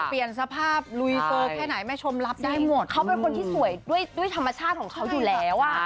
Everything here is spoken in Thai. รุยโตแพ้ไหนไม่ชมรับได้หมดเขาเป็นคนที่สวยด้วยธรรมชาติของเขาอยู่แล้ว